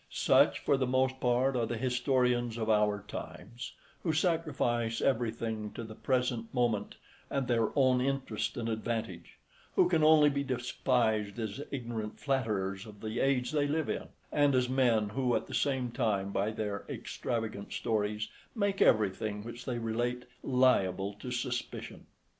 Such, for the most part, are the historians of our times, who sacrifice everything to the present moment and their own interest and advantage; who can only be despised as ignorant flatterers of the age they live in; and as men, who, at the same time, by their extravagant stories, make everything which they relate liable to suspicion.